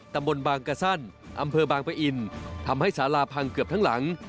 ตำบลบางกะสั้นอำเภอบางปะอินทำให้สาราพังเกือบทั้งหลัง